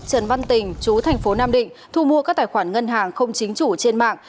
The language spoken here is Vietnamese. trần văn tình chú tp nam định thu mua các tài khoản ngân hàng không chính chủ trên mạng